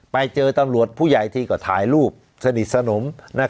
ไปเจอตำรวจผู้ใหญ่ทีก็ถ่ายรูปสนิทสนม